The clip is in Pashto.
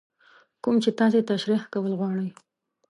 کوم چې تاسې تشرېح کول غواړئ.